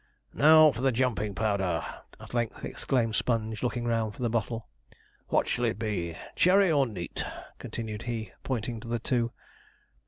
'Now for the jumping powder!' at length exclaimed Sponge, looking round for the bottle. 'What shall it be, cherry or neat?' continued he, pointing to the two.